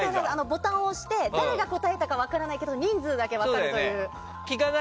ボタンを押して誰が答えたかは分からないけど人数だけ分かるという。